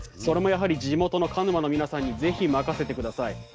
それもやはり地元の鹿沼の皆さんに是非任せて下さい。